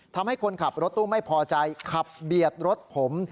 ทำให้คนขับรถตู้ไม่พอใจขับเบียดรถผม